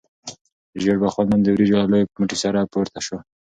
ژیړبخون لم د وریجو له لوی موټي سره پورته شو.